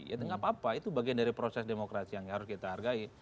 ya tidak apa apa itu bagian dari proses demokrasi yang harus kita hargai